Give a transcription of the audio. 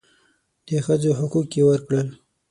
د ښځو حقوق یې ورکړل.